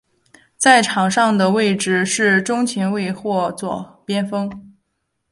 在场上的位置是中前卫或左边锋。